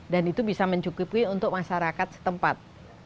dan itu bisa mencukupi untuk masyarakat setempat